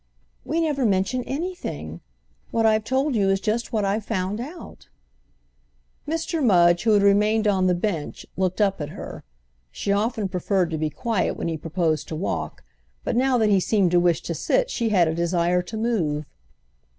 "We never mention anything. What I've told you is just what I've found out." Mr. Mudge, who had remained on the bench, looked up at her; she often preferred to be quiet when he proposed to walk, but now that he seemed to wish to sit she had a desire to move.